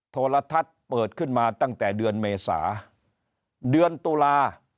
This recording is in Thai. โทรทัศน์เปิดขึ้นมาตั้งแต่เดือนเมษา